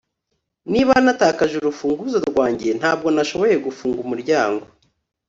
Niba natakaje urufunguzo rwanjye ntabwo nashoboye gufunga umuryango